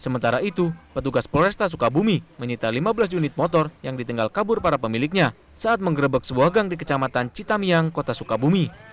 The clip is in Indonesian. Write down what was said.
sementara itu petugas polresta sukabumi menyita lima belas unit motor yang ditinggal kabur para pemiliknya saat menggerebek sebuah gang di kecamatan citamiang kota sukabumi